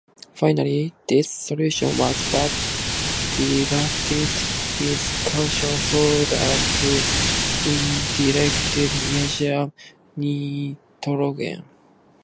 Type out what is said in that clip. Finally, this solution was back titrated with caustic soda to indirectly measure nitrogen.